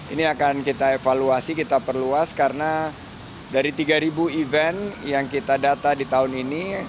ini akan kita evaluasi kita perluas karena dari tiga event yang kita data di tahun ini